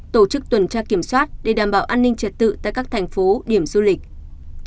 tổ chức tuần tra kiểm soát để đảm bảo an ninh trật tự tại các thành phố điểm du lịch